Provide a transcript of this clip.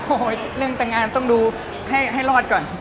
โอ้โหเรื่องแต่งงานต้องดูให้รอดก่อน